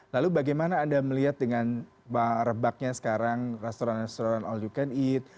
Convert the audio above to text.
lalu bagaimana anda melihat dengan rebaknya sekarang restoran restoran all you can eat